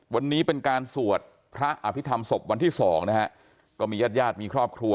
วันนี้เป็นการสวดพระอภิษฐรรมศพวันที่สองนะฮะก็มีญาติญาติมีครอบครัว